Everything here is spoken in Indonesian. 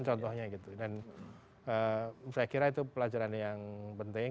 saya kira itu pelajaran yang penting